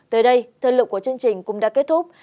tới đây thời lượng của chương trình cũng đã kết thúc